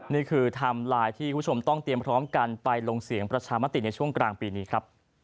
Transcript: ไทม์ไลน์ที่คุณผู้ชมต้องเตรียมพร้อมกันไปลงเสียงประชามติในช่วงกลางปีนี้ครับ